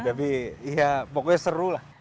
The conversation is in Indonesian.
tapi ya pokoknya seru lah